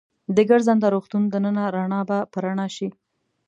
د ګرځنده روغتون دننه رڼا به په رڼا شي.